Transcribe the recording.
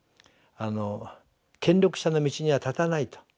権力者の道には立たないと。